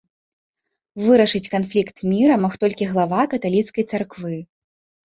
Вырашыць канфлікт мірам мог толькі глава каталіцкай царквы.